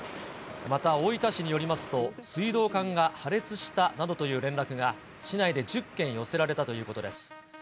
また大分市によりますと、水道管が破裂したなどという連絡が、市内で１０件寄せられたということです。